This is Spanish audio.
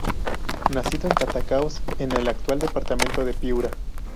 Nacido en Catacaos, en el actual departamento de Piura.